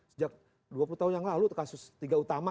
sejak dua puluh tahun yang lalu kasus tiga utama